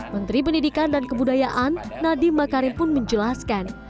menteri pendidikan dan kebudayaan nadiem makarim pun menjelaskan